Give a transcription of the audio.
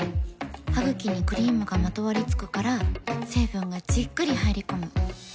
ハグキにクリームがまとわりつくから成分がじっくり入り込む。